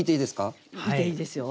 見ていいですか？